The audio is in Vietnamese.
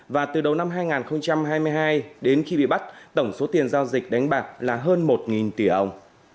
và từ đầu năm hai nghìn hai mươi hai đến khi bị bắt tổng số tiền giao dịch đánh bạc là hơn một tỷ đồng